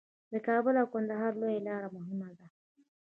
د کابل او کندهار لویه لار مهمه ده